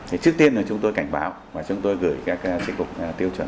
thì trước tiên là chúng tôi cảnh báo và chúng tôi gửi các trị cục tiêu chuẩn